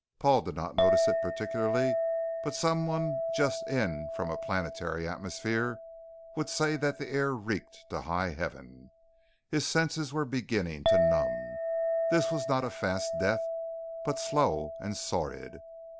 Paul did not notice it particularly, but someone just in from a planetary atmosphere would say that the air reeked to high heaven. His senses were beginning to numb. This was not a fast death, but slow and sordid.